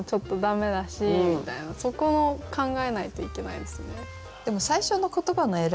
そこを考えないといけないですね。